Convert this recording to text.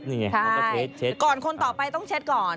ใช่ก่อนคนต่อไปต้องเช็ดก่อน